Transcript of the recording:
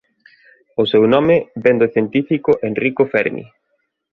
O seu nome ven do científico Enrico Fermi.